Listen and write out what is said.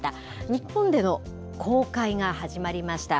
日本での公開が始まりました。